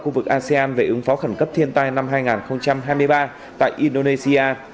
khu vực asean về ứng phó khẩn cấp thiên tai năm hai nghìn hai mươi ba tại indonesia